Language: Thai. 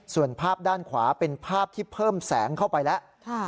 ส่วนภาพด้านขวาเป็นภาพที่เพิ่มแสงเข้าไปแล้ว